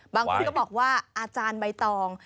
บางคนก็บอกว่าอาจารย์ใบตอง